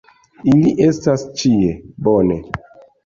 Ili estas ĉie. Bone.